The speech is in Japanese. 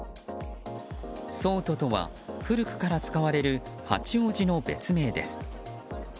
桑都とは古くから使われる八王子の別名です。